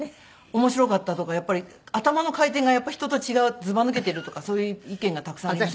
面白かったとかやっぱり頭の回転が人と違うずば抜けてるとかそういう意見がたくさんありました。